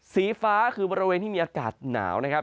สีฟ้าคือบริเวณที่มีอากาศหนาวนะครับ